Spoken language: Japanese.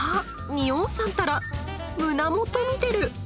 仁王さんったら胸元見てる！